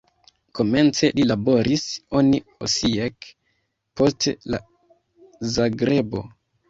Komence li laboris en Osijek, poste en Zagrebo.